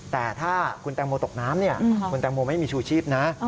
แต่ถ้าคุณแตงโมตกน้ำเนี่ยคุณแตงโมไม่มีชูชีพนะ